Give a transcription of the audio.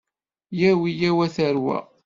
Yyaw yyaw a tarwa.